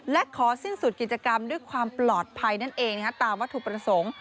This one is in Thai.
และขอสิ้นสุดกิจกรรมด้วยความปลอดภัยนั่นเองตามวัตถุประสงค์